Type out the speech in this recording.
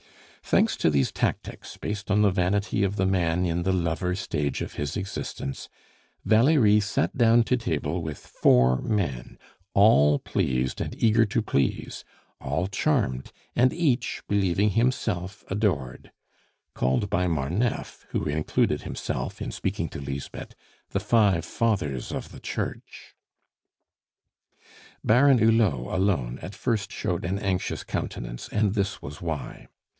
Thanks to these tactics, based on the vanity of the man in the lover stage of his existence, Valerie sat down to table with four men, all pleased and eager to please, all charmed, and each believing himself adored; called by Marneffe, who included himself, in speaking to Lisbeth, the five Fathers of the Church. Baron Hulot alone at first showed an anxious countenance, and this was why.